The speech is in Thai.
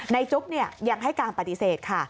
จุ๊บยังให้การปฏิเสธค่ะ